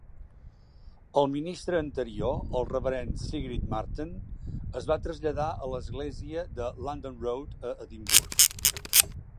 El ministre anterior, el reverend Sigrid Marten, es va traslladar a l'església de London Road a Edimburg.